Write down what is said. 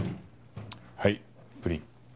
はいプリン。